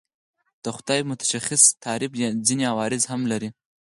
د خدای متشخص تعریف ځینې عوارض هم لري.